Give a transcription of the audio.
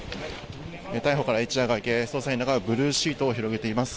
逮捕から一夜が明け、捜査員らがブルーシートを広げています。